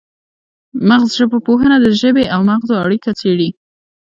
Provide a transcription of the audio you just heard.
مغزژبپوهنه د ژبې او مغزو اړیکې څیړي